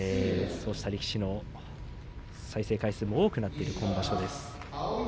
そうした力士の再生回数も多くなっている今場所です。